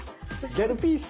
「ギャルピース」。